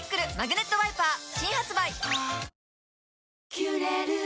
「キュレル」